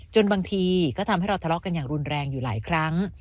บางทีก็ทำให้เราทะเลาะกันอย่างรุนแรงอยู่หลายครั้ง